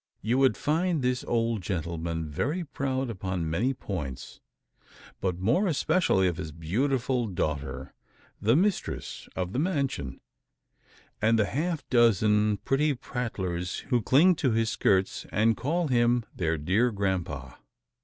You would find this old gentleman very proud upon many points: but more especially of his beautiful daughter the mistress of the mansion and the half dozen pretty prattlers who cling to his skirts, and call him their "dear grandpa."